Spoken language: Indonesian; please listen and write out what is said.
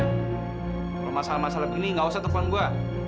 kalau masalah masalah begini nggak usah telepon gue